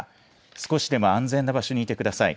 少しでも安全な場所にいてください。